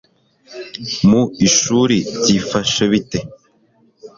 mu ishuri byifashe bite